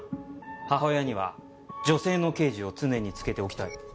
母親には女性の刑事を常につけておきたい。